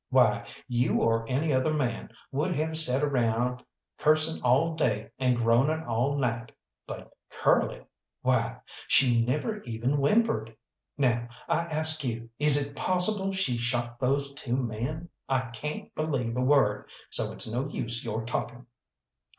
Why, you or any other man would have set around cursing all day and groaning all night, but Curly why, she never even whimpered. Now I ask you, is it possible she shot those two men? I cayn't believe a word, so it's no use your talking."